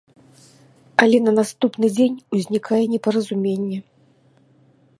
Але на наступны дзень узнікае непаразуменне.